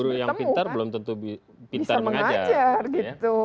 guru yang pintar belum tentu bisa mengajar gitu